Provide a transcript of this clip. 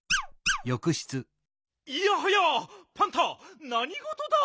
いやはやパンタなにごとだ！？